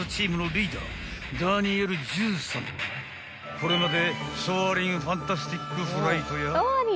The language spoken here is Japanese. ［これまで］